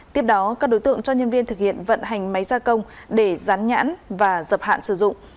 tiếp đó các đối tượng cho nhân viên thực hiện vận hành máy gia công để rán nhãn và dập hạn sử dụng